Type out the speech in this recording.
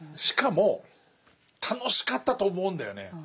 しかも楽しかったと思うんだよね。